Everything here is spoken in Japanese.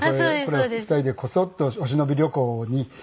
２人でコソッとお忍び旅行に。